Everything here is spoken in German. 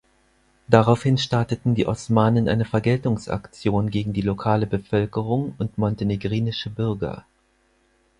Daraufhin starteten die Osmanen eine Vergeltungsaktion gegen die lokale Bevölkerung und montenegrinische Bürger.